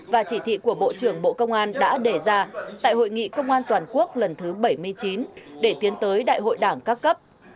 và chỉ thị của bộ trưởng bộ công an đã đề ra tại hội nghị công an toàn quốc lần thứ bảy mươi chín để tiến tới đại hội đảng các cấp